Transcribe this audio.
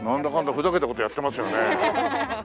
ふざけた事やってますよね。